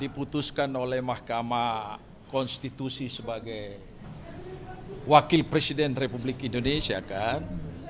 diputuskan oleh mahkamah konstitusi sebagai wakil presiden republik indonesia kan